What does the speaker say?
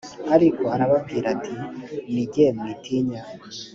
ariko arababwira ati ni jye mwitinya